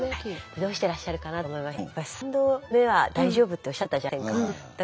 どうしてらっしゃるかなと思いましてやっぱり３度目は大丈夫っておっしゃってたじゃありませんか。